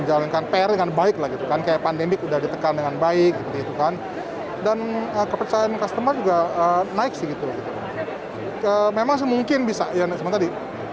apapun yang jadi